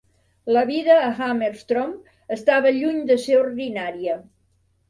La vida a Hamerstrom estava lluny de ser ordinària.